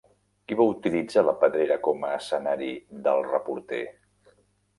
Qui va utilitzar La Pedrera com a escenari d'El reporter?